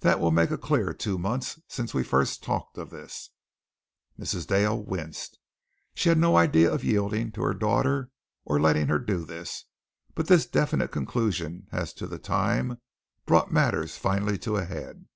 That will make a clear two months since we first talked of this." Mrs. Dale winced. She had no idea of yielding to her daughter, or letting her do this, but this definite conclusion as to the time brought matters finally to a head.